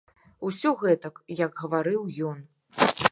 Усё гэтак, як гаварыў ён.